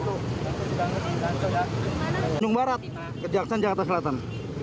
tanjung barat kejaksan jakarta selatan